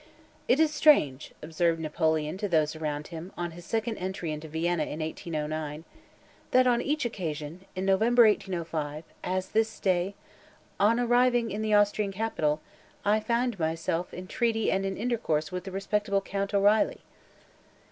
"It is strange," observed Napoleon to those around him, on his second entry into Vienna, in 1809, "that on each occasion—in November, 1805, as this day—on arriving in the Austrian capital, I find myself in treaty and in intercourse with the respectable Count O'Reilly."